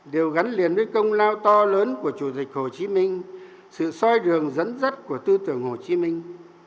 đều gắn liền với công lao to lớn của chủ tịch hồ chí minh sự soi đường dẫn dắt của tư tưởng hồ chí minh